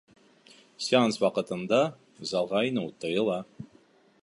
Сеанс ваҡытында залға инеү тыйыла